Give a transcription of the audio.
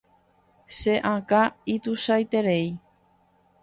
Che akã ituichaiterei.